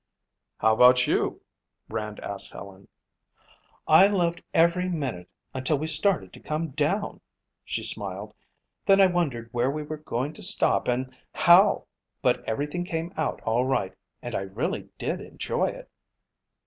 "How about you?" Rand asked Helen. "I loved every minute until we started to come down," she smiled. "Then I wondered where we were going to stop and how, but everything came out all right and I really did enjoy it."